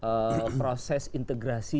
persoalan proses integrasi